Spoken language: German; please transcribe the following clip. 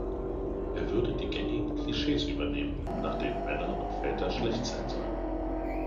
Er würde die gängigen Klischees übernehmen, nach denen Männer und Väter schlecht sein sollten.